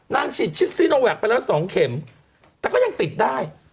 นางฉีดชี้โซโนวัลไอกไปแล้ว๒เข็มแต่ยังติดได้